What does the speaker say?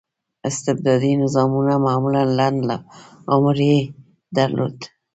استبدادي نظامونه معمولا لنډ عمر یې درلود.